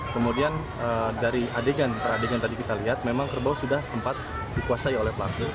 kemudian dari adegan para adegan tadi kita lihat memang kerbau sudah sempat dikuasai oleh pelaku